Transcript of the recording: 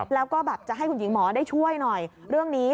แล้วก็แบบจะให้คุณหญิงหมอได้ช่วยหน่อยเรื่องนี้